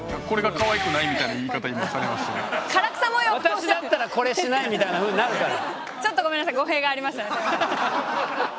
私だったらこれしないみたいなふうになるから。